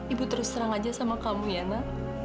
ibu terus terang aja sama kamu ya nak